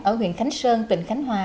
ở huyện khánh sơn tỉnh khánh hòa